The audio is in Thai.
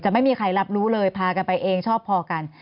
ไม่มีใครรับรู้เลยพากันไปเองชอบพอกัน